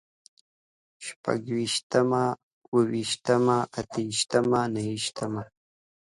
شپږويشت، اووهويشت، اتهويشت، نههويشت